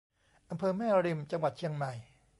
อำเภอแม่ริม จังหวัดเชียงใหม่